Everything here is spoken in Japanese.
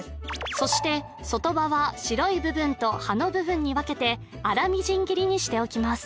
そして外葉は白い部分と葉の部分に分けて粗みじん切りにしておきます